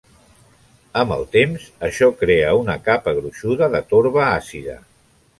Amb el temps, això crea una capa gruixuda de torba àcida.